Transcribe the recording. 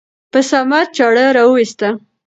په صمد چاړه راوېسته.